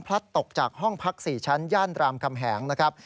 ตกจากห้องพัก๔ชั้นย่านรามคำแหงนะครับ